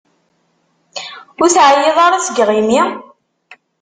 Ur teεyiḍ ara seg yiɣimi?